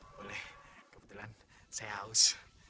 boleh kebetulan saya haus